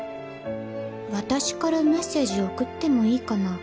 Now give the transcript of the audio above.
私からメッセージ送ってもいいかな？